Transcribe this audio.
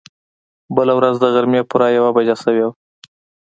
بله ورځ د غرمې پوره يوه بجه شوې وه.